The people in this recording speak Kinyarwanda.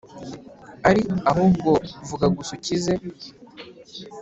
uri Ahubwo vuga gusa ukize